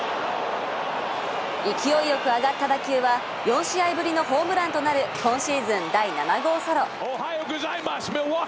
勢いよく上がった打球は４試合ぶりのホームランとなる今シーズン第７号ソロ。